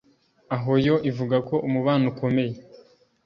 aho yo ivuga ko umubano “ukomeye”